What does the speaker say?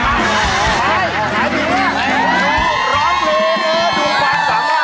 ร้อนกรีร์นะดูฟัง